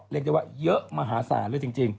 เรียกได้ว่าเยอะมหาศาลเลยจริง